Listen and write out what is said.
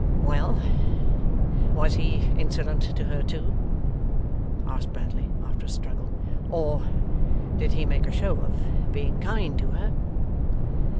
'Well! was he insolent to her too?' asked Bradley after a struggle. 'Or did he make a show of being kind to her?